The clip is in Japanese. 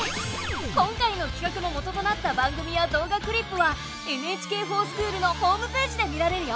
今回のきかくの元となった番組や動画クリップは「ＮＨＫｆｏｒＳｃｈｏｏｌ」のホームページで見られるよ。